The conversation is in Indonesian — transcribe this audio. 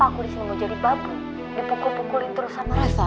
mau jadi pukul pukulin terus sama reva